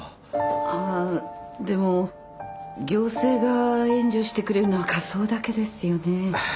あっでも行政が援助してくれるのは火葬だけですよね？